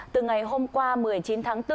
từ ngày hôm qua một mươi chín tháng bốn